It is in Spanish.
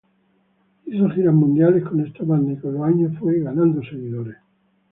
Hizo giras mundiales con esta banda y con los años, fue ganando seguidores.